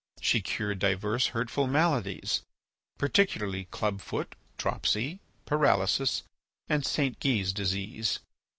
She cured divers hurtful maladies, particularly club foot, dropsy, paralysis, and St. Guy's disease.